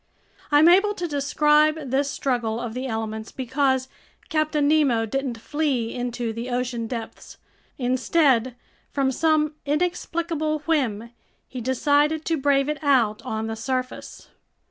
I'm able to describe this struggle of the elements because Captain Nemo didn't flee into the ocean depths; instead, from some inexplicable whim, he decided to brave it out on the surface.